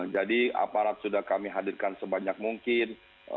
jadi aparat sudah kami hadirkan sebanyak mungkin